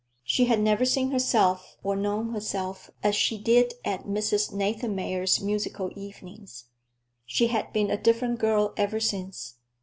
She had never seen herself or known herself as she did at Mrs. Nathanmeyer's musical evenings. She had been a different girl ever since.